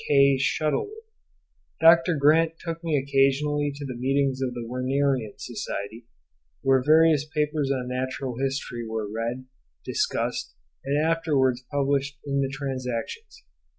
Kay Shuttleworth. Dr. Grant took me occasionally to the meetings of the Wernerian Society, where various papers on natural history were read, discussed, and afterwards published in the 'Transactions.